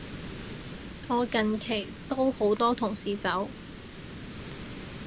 我近期都好多同事走